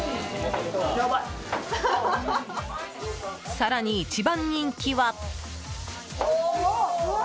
更に、一番人気は。